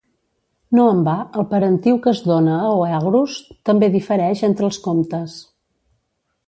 No en va, el parentiu que es dona a Oeagrus també difereix entre els comptes.